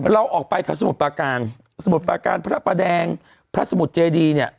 เราออกไปแถวสมุทรปาการสมุทรปาการพระประแดงพระสมุทรเจดีเนี่ย